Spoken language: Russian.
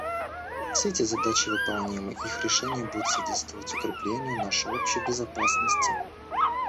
Все эти задачи выполнимы, и их решение будет содействовать укреплению нашей общей безопасности.